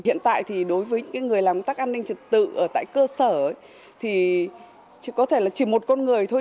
hiện tại thì đối với những người làm tắc an ninh trật tự ở tại cơ sở thì có thể là chỉ một con người thôi